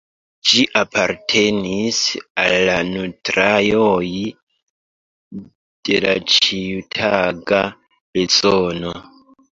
Ĝi apartenis al la nutraĵoj de la ĉiutaga bezono.